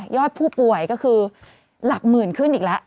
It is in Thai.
อดผู้ป่วยก็คือหลักหมื่นขึ้นอีกแล้ว